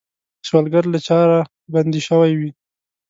سوالګر له چاره بنده شوی وي